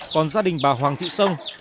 còn gia đình bà hoàng thị sông